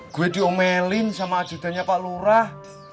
gue diomelin sama ajudannya pak lurah